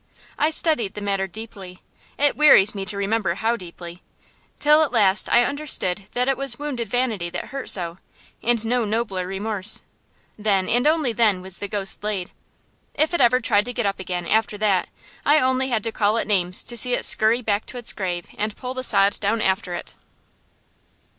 I studied the matter deeply it wearies me to remember how deeply till at last I understood that it was wounded vanity that hurt so, and no nobler remorse. Then, and only then, was the ghost laid. If it ever tried to get up again, after that, I only had to call it names to see it scurry back to its grave and pull the sod down after it.